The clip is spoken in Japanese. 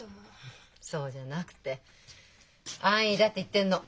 そうじゃなくて安易だって言ってるの。